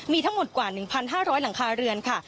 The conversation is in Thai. มีทั้งหมดกว่า๑๕๐๐หลังคาเรือนค่ะ